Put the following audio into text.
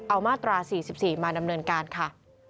เอามาตรา๔๔มาดำเนินการค่ะ